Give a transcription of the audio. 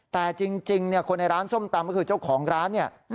แต่จริงคนในร้านส้มตำก็คือเจ้าของร้านเนี่ย